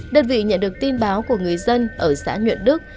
đơn vị nhận được tin báo của người dân ở xã nhuận đức